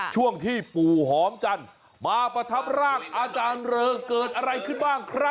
ช่วงที่ปู่หอมจันทร์มาประทับร่างอาจารย์เริงเกิดอะไรขึ้นบ้างครับ